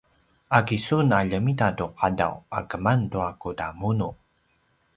a kisun a ljemita tu qadaw a keman tua kudamunu?